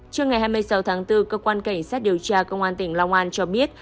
trước ngày hai mươi sáu tháng bốn cơ quan cảnh sát điều tra công an tỉnh long an cho biết